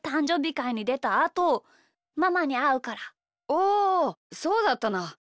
おおそうだったな。